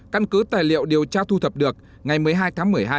căn cứ tài liệu điều tra thu thập được ngày một mươi hai tháng một mươi hai